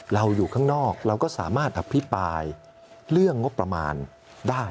อยู่ข้างนอกเราก็สามารถอภิปรายเรื่องงบประมาณได้